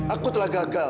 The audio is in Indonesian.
aku telah gagal